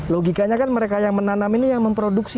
logikanya kan mereka yang menanam ini yang memproduksi